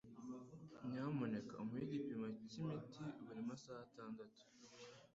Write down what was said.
Nyamuneka umuhe igipimo cyimiti buri masaha atandatu.